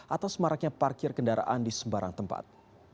atau semaraknya parkir kendaraan di sembarang tempat